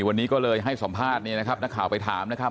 วันนี้ก็เลยให้สัมภาษณ์เนี่ยนะครับนักข่าวไปถามนะครับ